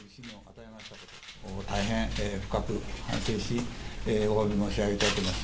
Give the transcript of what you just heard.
大変深く反省し、おわび申し上げたいと思います。